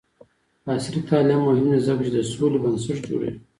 عصري تعلیم مهم دی ځکه چې د سولې بنسټ جوړوي.